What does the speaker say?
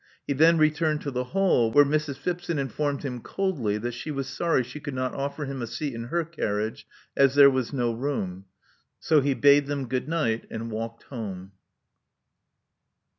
He then returned to the hall, where Mrs. Phipson informed him coldly that she was sorry she could not offer him a seat in her carriage, as there was no room. So he bade them good night, and walked home.